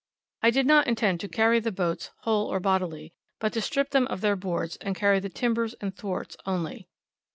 I did not intend to carry the boats whole or bodily, but to strip them of their boards, and carry the timbers and thwarts only.